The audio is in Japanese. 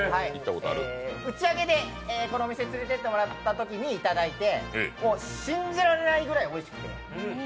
打ち上げで、このお店に連れていってもらったときにいただいて、信じられないぐらいおいしくて。